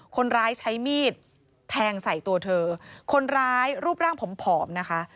คนร้ายใช้มีดแทงใส่ตัวเธอคนร้ายรูปร่างผอมผอมนะคะ